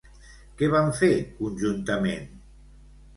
Què van fer conjuntament?